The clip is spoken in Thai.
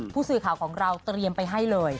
ผู้สื่อข่าวของเราเตรียมไปให้เลย